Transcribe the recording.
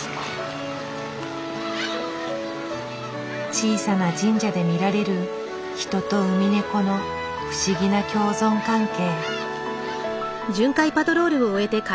小さな神社で見られる人とウミネコの不思議な共存関係。